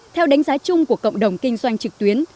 theo đánh giá chung của cộng đồng kinh doanh trực tuyến